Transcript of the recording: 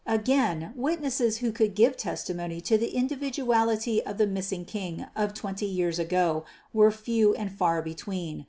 Again witnesses who could give testimony to the individuality of the missing King of twenty years ago were few and far between.